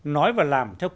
nói và làm theo cơ hội